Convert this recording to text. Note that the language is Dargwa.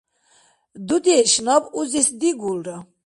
– Дудеш, наб узес дигулра.